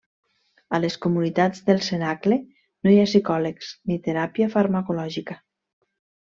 A les comunitats del cenacle no hi ha psicòlegs ni teràpia farmacològica.